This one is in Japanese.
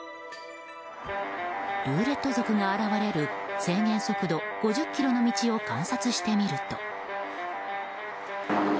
ルーレット族が現れる制限速度５０キロの道を観察してみると。